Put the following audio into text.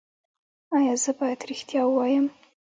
ایا زه باید ریښتیا ووایم؟